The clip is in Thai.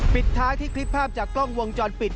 ปิดท้ายที่คลิปภาพจากกล้องวงจรปิด